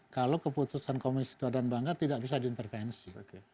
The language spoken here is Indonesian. kalau keputusan komisi dua dan banggar tidak bisa diintervensi